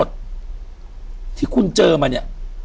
อยู่ที่แม่ศรีวิรัยิลครับ